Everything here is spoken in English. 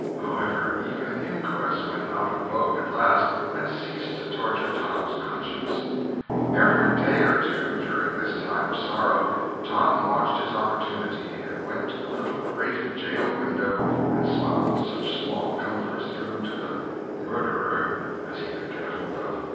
However, even inquests went out of vogue at last, and ceased to torture Tom's conscience. Every day or two, during this time of sorrow, Tom watched his opportunity and went to the little grated jail window and smuggled such small comforts through to the "murderer" as he could get hold of.